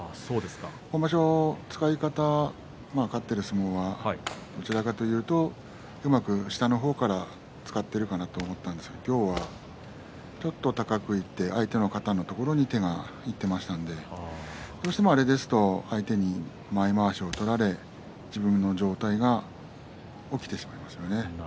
今場所、使い方勝っている相撲はどちらかというとうまく下の方から使っているかなと思ったんですけれど今日はちょっと高くいって相手の肩のところに手がいっていましたのでどうしても、あれですと相手に前まわしを取られ自分の上体が起きてしまいます。